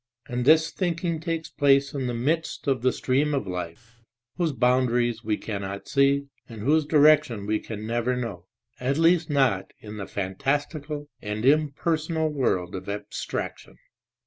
And this thinking takes place in the midst of the stream of life, whose boundaries we cannot see and whose direction we can never know, at least not in the fantastical and impersonal world of abstraction.